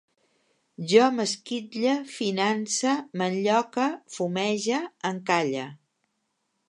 Jo m'esquitlle, finance, m'enlloque, fumege, encalle